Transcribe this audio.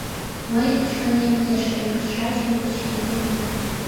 Мыйын чонем ешем-шачым вучен ила.